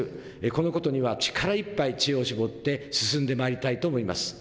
このことには力いっぱい知恵を絞って進んでまいりたいと思います。